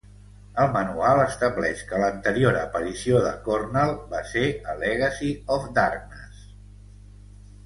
El manual estableix que l'anterior aparició de Cornell va ser a Legacy of Darkness.